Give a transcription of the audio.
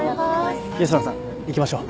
吉野さん行きましょう。